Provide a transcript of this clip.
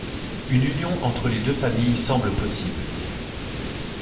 Une union entre les deux familles semble possible.